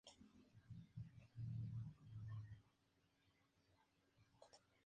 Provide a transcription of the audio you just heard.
El rebozo es un producto derivado del mestizaje producido por la Conquista Española.